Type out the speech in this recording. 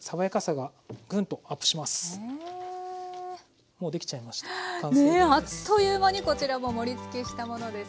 ねえあっという間にこちらも盛りつけしたものです。